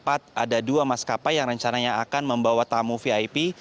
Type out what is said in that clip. ada dua maskapai yang rencananya akan membawa tamu vip